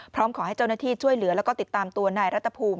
พร้อมขอให้เจ้าหน้าที่ช่วยเหลือแล้วก็ติดตามตัวนายรัฐภูมิ